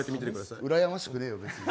うらやましくねぇよ、別に。